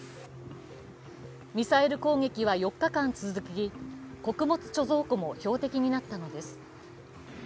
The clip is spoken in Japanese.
ミサイル攻撃は４日間続き、穀物貯蔵庫も標的になったのです。